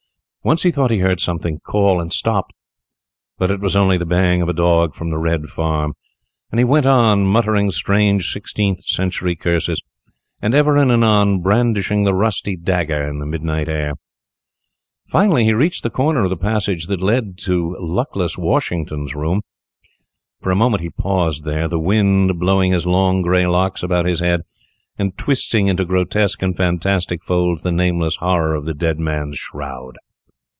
Once he thought he heard something call, and stopped; but it was only the baying of a dog from the Red Farm, and he went on, muttering strange sixteenth century curses, and ever and anon brandishing the rusty dagger in the midnight air. Finally he reached the corner of the passage that led to luckless Washington's room. For a moment he paused there, the wind blowing his long grey locks about his head, and twisting into grotesque and fantastic folds the nameless horror of the dead man's shroud.